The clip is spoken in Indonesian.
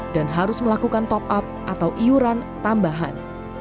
dan harus melakukan top up atau iuran tambahan